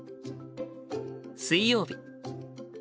水曜日。